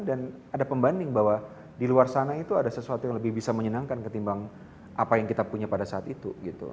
dan ada pembanding bahwa di luar sana itu ada sesuatu yang lebih bisa menyenangkan ketimbang apa yang kita punya pada saat itu